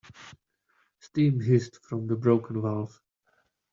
Steam hissed from the broken valve.